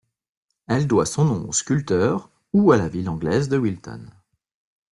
Elle doit son nom au sculpteur ou à la ville anglaise de Wilton.